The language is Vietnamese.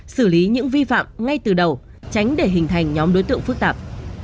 xử lý những vi phạm ngay từ đầu tránh để hình thành nhóm đối tượng phức tạp